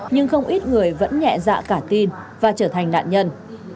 nhưng không ít người vẫn nhẹ dạ cả tin và trở thành nạn nhân